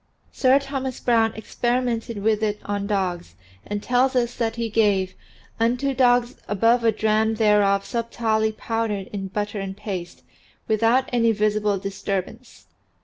Sir Thomas Browne experimented with it on dogs and tells us that he gave "unto dogs above a dram thereof sub tilely powdered in butter and paste, without any visible disturbance."